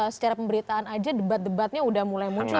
capres secara pemberitaan aja debat debatnya sudah mulai muncul